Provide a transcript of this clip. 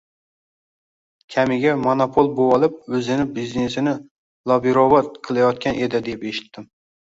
Kamiga monopol bo‘volib, o‘zini biznesini lobbirovat qilayotgan edi deb eshitdim